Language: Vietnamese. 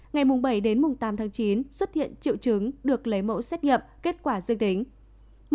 ngày bảy đến tám tháng chín xuất hiện triệu chứng được lấy mẫu xét nghiệm kết quả dương tính